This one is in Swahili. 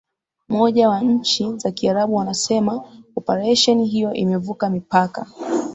moja wa nchi za kiarabu wasema oparesheni hiyo imevuka mipaka